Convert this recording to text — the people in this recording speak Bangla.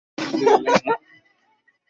আমি সবার সামনে স্বাভাবিক থাকার ভান করছিলাম।